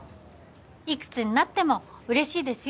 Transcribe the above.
いくつになっても嬉しいですよ？